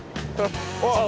あっ！